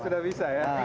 sudah bisa ya